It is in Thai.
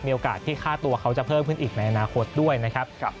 โอกาสที่ค่าตัวเขาจะเพิ่มขึ้นอีกในอนาคตด้วยนะครับ